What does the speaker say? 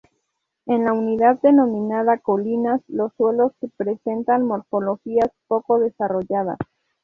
En la unidad denominada colinas, los suelos presentan morfologías poco desarrolladas.